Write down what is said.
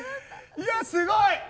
いや、すごい。